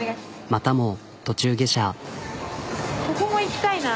またも途中下車。